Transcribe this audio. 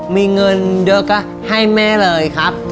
มีเงินเยอะก็ให้แม่เลยครับ